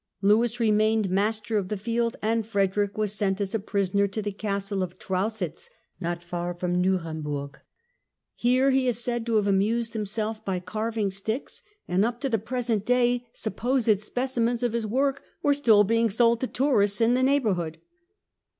Lewis remained master of the field, and Frederick was sent as a prisoner to the Castle of Traussitz, not far from Nuremburg. Here he is said to have amused himself by carving sticks, and up to the present day supposed specimens of his work were still being sold to tourists in the neighbourhood.